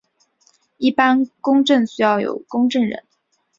一般公证需要有公证人。